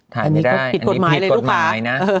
ถ่ายไม่ได้อันนี้ผิดกฎหมายเลยลูกขา